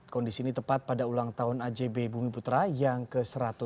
kondisi ini tepat pada ulang tahun ajb bumi putra yang ke satu ratus enam puluh